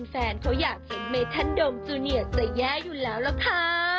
แฟนเขาอยากเห็นเมธันโดมจูเนียจะแย่อยู่แล้วล่ะค่ะ